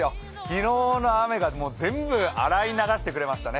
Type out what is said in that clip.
昨日の雨が全部洗い流してくれましたね。